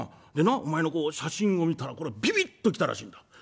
でなお前の写真を見たらビビッと来たらしいんだ」。